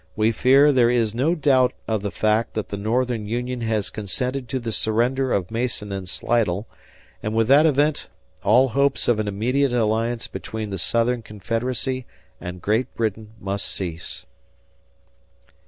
We fear there is no doubt of the fact that the Northern Union has consented to the surrender of Mason and Slidell, and with that event all hopes of an immediate alliance between the Southern Confederacy and Great Britain must cease."